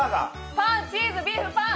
パン・チーズ・ビーフ・パン！